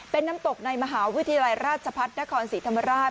เป็นน้ำตกในมหาวิทยาลัยราชพัฒนครศรีธรรมราช